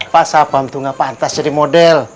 mas abang tuh gak pantas jadi model